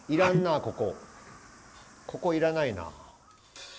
ここ要らないな。